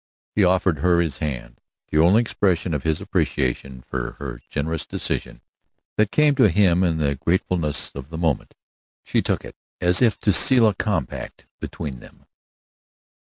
He offered her his hand, the only expression of his appreciation for her generous decision that came to him in the gratefulness of the moment. She took it as if to seal a compact between them.